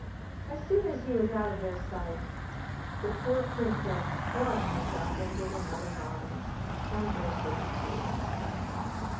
As soon as he was out of their sight the poor princess flung herself into her mother's arms, and burst into tears.